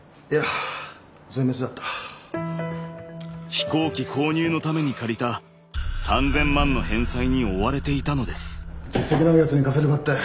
飛行機購入のために借りた３０００万の返済に追われていたのです。